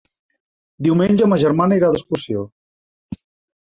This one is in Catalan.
Diumenge ma germana irà d'excursió.